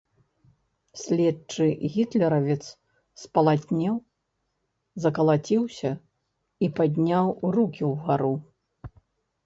Следчы гітлеравец спалатнеў, закалаціўся і падняў рукі ўгару.